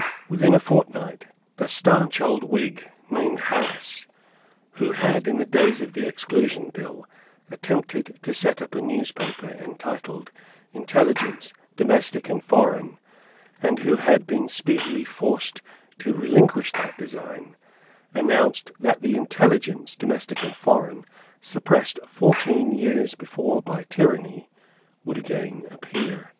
Within a fortnight, a stanch old Whig, named Harris, who had, in the days of the Exclusion Bill, attempted to set up a newspaper entitled Intelligence Domestic and Foreign, and who had been speedily forced to relinquish that design, announced that the Intelligence Domestic and Foreign, suppressed fourteen years before by tyranny, would again appear.